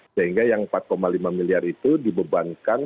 sehingga yang empat lima miliar itu dibebankan